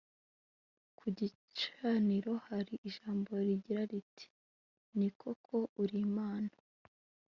ku gicaniro hari ijambo rigira riti ni koko uri IMANA